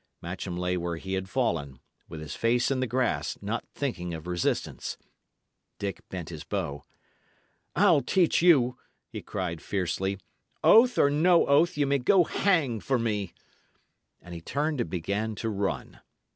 Matcham lay where he had fallen, with his face in the grass, not thinking of resistance. Dick bent his bow. "I'll teach you!" he cried, fiercely. "Oath or no oath, ye may go hang for me!" And he turned and began to run.